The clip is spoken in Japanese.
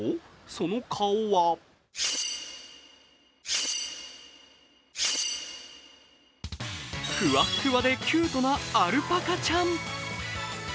その顔はふわっふわでキュートなアルパカちゃん。